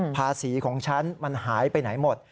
ภาษีของฉันมันหายไปไหนหมด